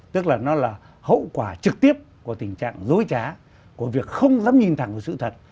tức là nó là hậu quả trực tiếp của tình trạng dối trá của việc không dám nhìn thẳng vào sự thật